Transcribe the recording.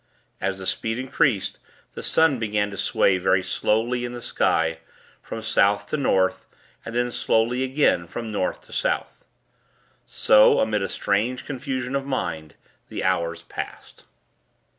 As the speed increased, the sun began to sway very slowly in the sky, from South to North, and then, slowly again, from North to South. So, amid a strange confusion of mind, the hours passed.